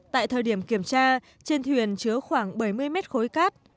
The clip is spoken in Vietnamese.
tại thời điểm kiểm tra trên thuyền chứa khoảng bảy mươi mét khối cát